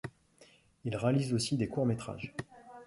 Il réalise aussi des courts-métrages.